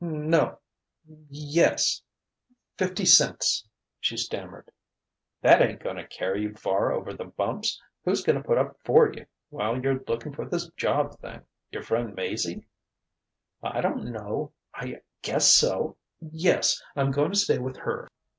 "No yes fifty cents," she stammered. "That ain't goin' to carry you far over the bumps. Who's goin' to put up for you while you're lookin' for this job thing? Your frien' Maizie?" "I don't know I guess so yes: I'm going to stay with her."